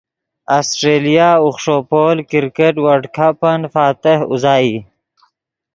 آسٹریلیا اوخݰو پول کرکٹ ورلڈ کپن فاتح اوزائی